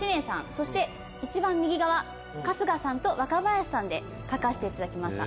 そして一番右側春日さんと若林さんで描かせていただきました。